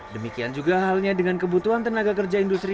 demikian juga halnya dengan kebutuhan tenaga kerja industri